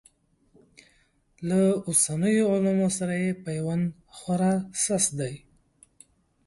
له اوسنیو علومو سره یې پیوند خورا سست دی.